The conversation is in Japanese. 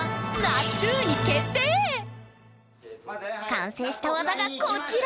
完成した技がこちら！